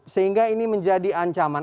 sehingga ini menjadi ancaman